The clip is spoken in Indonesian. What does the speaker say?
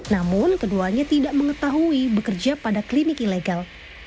namun keduanya tidak mengetahui bekerja pada klinik ilegal